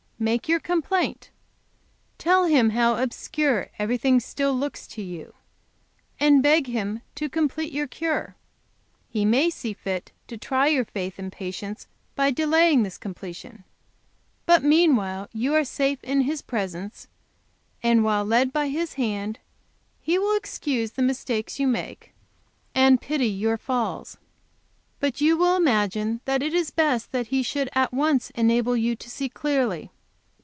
Make your complaint, tell Him how obscure everything still looks to you, and beg Him to complete your cure He may see fit to try your faith and patience by delaying this completion; but meanwhile you are safe in His presence, and while led by His hand; He will excuse the mistakes you make, and pity your falls. But you will imagine that it is best that He should at once enable you to see clearly.